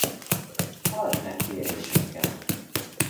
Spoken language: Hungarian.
Halld meg kérésünket!